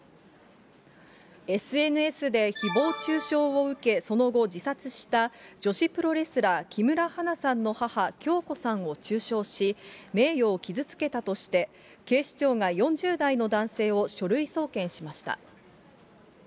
ＳＮＳでひぼう中傷を受け、その後、自殺した女子プロレスラー、木村花さんの母、響子さんを中傷し、名誉を傷つけたとして、警視庁が４０代の男性を書類送検しました。